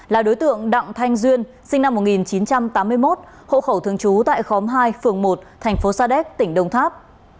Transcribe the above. là đối tượng đặng thanh duyên sinh năm một nghìn chín trăm tám mươi một hộ khẩu thường trú tại khóm hai phường một thành phố sa đéc tỉnh đông tháp